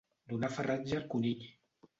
Donar farratge al conill.